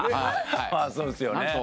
そうですよね。